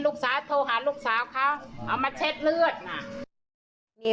ลูกสาวโทรหาลูกสาวเขาเอามาเช็ดเลือด